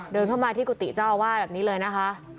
เดินเข้ามาที่กุฏิเจ้าอาวาสแบบนี้เลยนะคะ